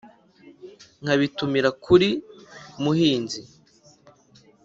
nkabitumira kuri muhinzi